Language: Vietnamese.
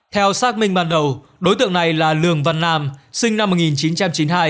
theo xác minh ban đầu đối tượng này là lường văn nam sinh năm một nghìn chín trăm chín mươi hai